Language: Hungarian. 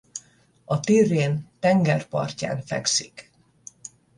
A Tirrén-tenger partján fekszik.